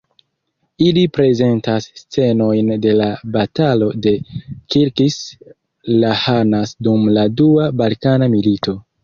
Ili prezentas scenojn de la Batalo de Kilkis-Lahanas dum la Dua Balkana Milito.